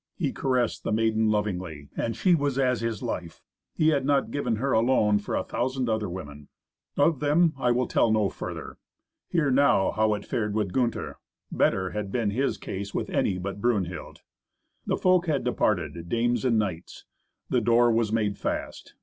He caressed the maiden lovingly, and she was as his life. He had not given her alone for a thousand other women. Of them I will tell no further. Hear now how it fared with Gunther. Better had been his case with any but Brunhild. The folk had departed, dames and knights. The door was made fast.